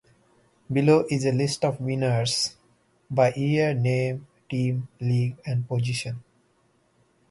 Below is a list of winners by year, name, team, league, and position.